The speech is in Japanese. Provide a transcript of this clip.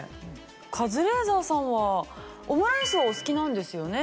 カズレーザーさんはオムライスお好きなんですよね？